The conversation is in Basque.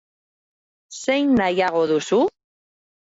Zein nahiago duzu?